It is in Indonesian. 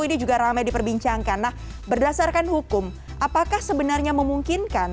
ini juga ramai diperbincangkan nah berdasarkan hukum apakah sebenarnya memungkinkan